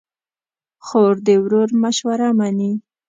خور د ورور مشوره منې.